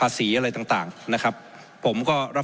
ผมจะขออนุญาตให้ท่านอาจารย์วิทยุซึ่งรู้เรื่องกฎหมายดีเป็นผู้ชี้แจงนะครับ